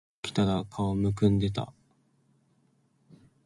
朝起きたら顔浮腫んでいた